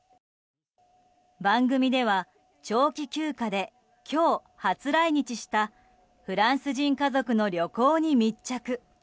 番組では長期休暇で今日、初来日したフランス人家族の旅行に密着。